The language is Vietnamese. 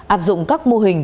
áp dụng các mô hình